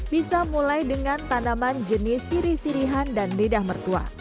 bisa mulai dengan tanaman jenis siri sirihan dan lidah mertua